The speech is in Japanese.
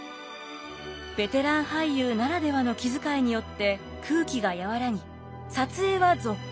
ベテラン俳優ならではの気遣いによって空気が和らぎ撮影は続行。